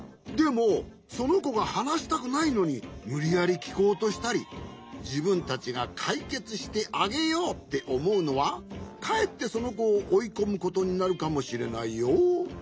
でもそのこがはなしたくないのにむりやりきこうとしたりじぶんたちがかいけつしてあげようっておもうのはかえってそのこをおいこむことになるかもしれないよ。